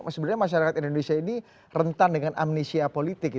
sebenarnya masyarakat indonesia ini rentan dengan amnesia politik